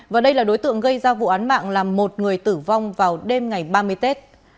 và đây là đối tượng gây ra vụ án mạng làm một người tử vong vào đêm ngày ba mươi tết